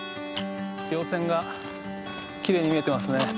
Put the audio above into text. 稜線がきれいに見えてますね。